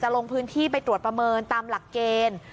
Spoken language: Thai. ลงพื้นที่ไปตรวจประเมินตามหลักเกณฑ์